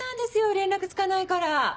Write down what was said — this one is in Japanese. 連絡つかないから。